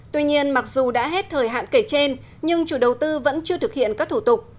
tuy nhiên mặc dù đã hết thời hạn kể trên nhưng chủ đầu tư vẫn chưa thực hiện các thủ tục